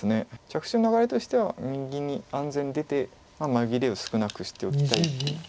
着手の流れとしては右に安全に出て紛れを少なくしておきたいという。